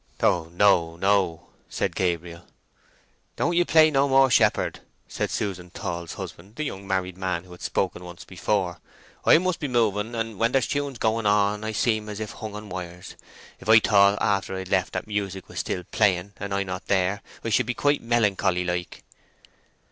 "O no, no," said Gabriel. "Don't ye play no more shepherd" said Susan Tall's husband, the young married man who had spoken once before. "I must be moving and when there's tunes going on I seem as if hung in wires. If I thought after I'd left that music was still playing, and I not there, I should be quite melancholy like."